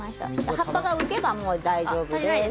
葉っぱが浮けばもう大丈夫です。